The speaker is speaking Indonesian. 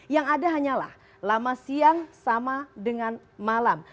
yang ada hanyalah lama siang sama dengan malam